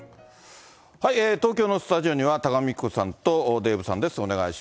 東京のスタジオには多賀幹子さんとデーブさんです。